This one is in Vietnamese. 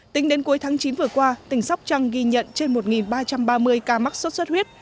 tính đến cuối tháng chín vừa qua tỉnh sóc trăng ghi nhận trên một ba trăm ba mươi ca mắc sốt xuất huyết